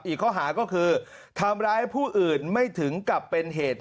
อีกข้อหาก็คือทำร้ายผู้อื่นไม่ถึงกับเป็นเหตุ